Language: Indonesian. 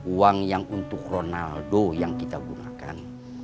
uang yang untuk ronaldo yang kita gunakan